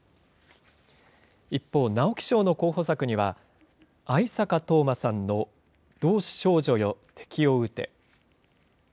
一方、直木賞の候補作には、逢坂冬馬さんの同志少女よ、敵を撃て。